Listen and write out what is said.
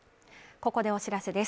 ここでお知らせです